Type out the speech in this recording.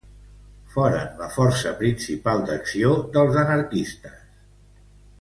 Foren la força principal d'acció dels anarquistes.